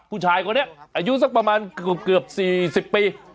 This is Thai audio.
ผู้ชายคนเนี้ยอายุสักประมาณเกือบเกือบสี่สิบปี